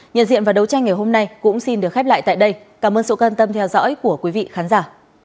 nhận diện và đấu tranh ngày hôm nay cũng xin được khép lại tại đây cảm ơn sự quan tâm theo dõi của quý vị khán giả